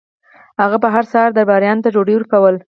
هغه به هر سهار درباریانو ته ډوډۍ ورکوله.